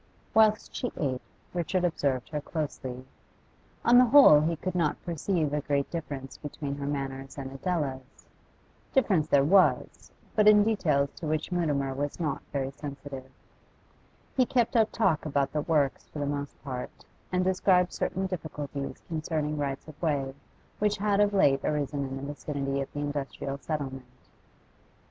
Whilst she ate, Richard observed her closely; on the whole he could not perceive a great difference between her manners and Adela's. Difference there was, but in details to which Mutimer was not very sensitive. He kept up talk about the works for the most part, and described certain difficulties concerning rights of way which had of late arisen in the vicinity of the industrial settlement.